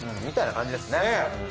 みたいな感じですね。